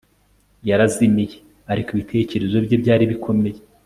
yarazimiye, ariko ibitekerezo bye byari bikomeye